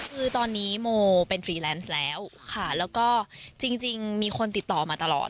คือตอนนี้โมเป็นฟรีแลนซ์แล้วค่ะแล้วก็จริงมีคนติดต่อมาตลอด